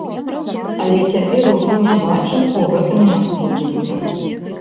Але цяпер ужо не бачым ў гэтым неабходнасці.